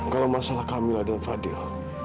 kalau masalah kamilah dan fadhil